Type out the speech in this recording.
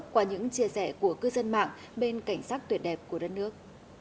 qua những chia sẻ của cư dân mạng bên cảnh sắc tuyệt đẹp của đất nước